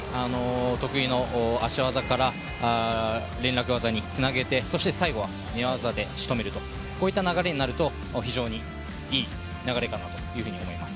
得意の足技から連絡技につなげて、最後は寝技で仕留めるという、こういった流れになると非常にいい流れかなと思います。